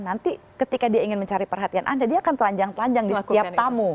nanti ketika dia ingin mencari perhatian anda dia akan telanjang telanjang di setiap tamu